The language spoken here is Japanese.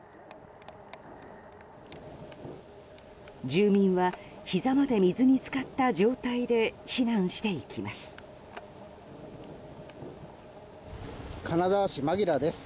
住民はひざまで水に浸かった状態で避難していきます。